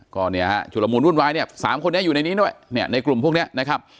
ก็เนี่ยฮะชุดละมุนวุ่นวายเนี่ยสามคนนี้อยู่ในนี้ด้วยเนี่ยในกลุ่มพวกนี้นะครับ